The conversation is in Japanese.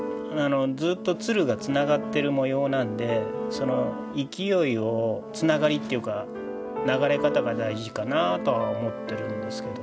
ずっと蔓がつながってる模様なんで勢いをつながりというか流れ方が大事かなとは思ってるんですけど。